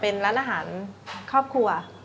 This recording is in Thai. เป็นร้านอาหารครอบครัว